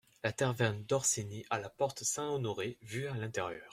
La taverne d’Orsini à la porte Saint-Honoré, vue à l’intérieur.